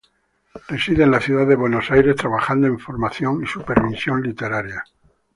Reside en la ciudad de Buenos Aires, trabajando en formación y supervisión literaria.